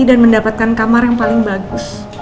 dan mendapatkan kamar yang paling bagus